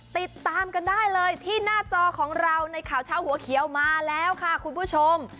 ติดตามกันได้เลยที่หน้าจอของเราในข่าวเช้าหัวเขียวมาแล้วค่ะคุณผู้ชม